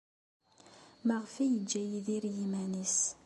Maɣef ay yeǧǧa Yidir i yiman-nnes?